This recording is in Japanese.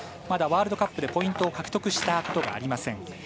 まだワールドカップでポイントを獲得したことがありません。